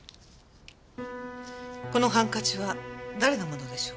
このハンカチは誰の物でしょう。